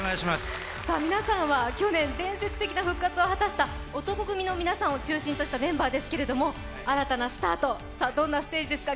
皆さんは去年、伝説的な復活を果たした男闘呼組の皆さんを中心としたメンバーですけど新たなスタート、どんなステージですか？